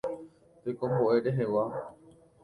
Tekombo'e rehegua.